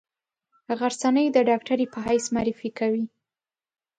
غرڅنۍ د ډاکټرې په حیث معرفي کوي.